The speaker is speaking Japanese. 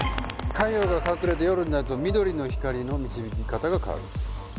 「太陽が隠れて夜になると」「緑の光の導き方がわかる」